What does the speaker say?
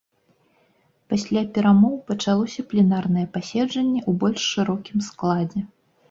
Пасля перамоў пачалося пленарнае паседжанне ў больш шырокім складзе.